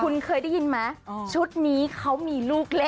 คุณเคยได้ยินไหมชุดนี้เขามีลูกเล่น